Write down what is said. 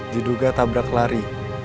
diduga tabrak lari